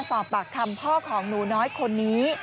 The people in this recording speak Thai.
สอบปากคำพ่อของหนูน้อยคนนี้